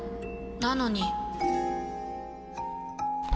なのに。